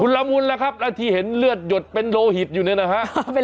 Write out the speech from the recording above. คุณละมุนค่ะก็ที่เห็นเลือดหยดเป็นหลูหิตอยู่เนี่ยนะฮะ